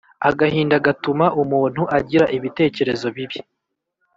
Agahinda gatuma umuntu agira ibitekerezo bibi